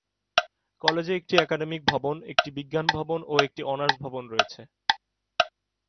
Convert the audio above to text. কলেজে একটি একাডেমিক ভবন, একটি বিজ্ঞান ভবন ও একটি অনার্স ভবন রয়েছে।